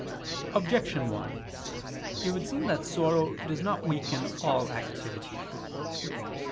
Objection 1: It would seem that sorrow does not weaken all activity.